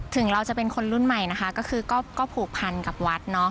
ถึงเราจะเป็นคนรุ่นใหม่ก็ผูกพันกับวัด